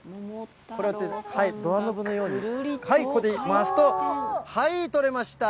こうやってドアノブのように回すと、はい、取れました。